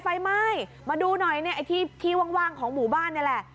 ไฟไหม้มาดูหน่อยเนี่ยไอ้ที่ที่ว่างของหมู่บ้านนี่แหละ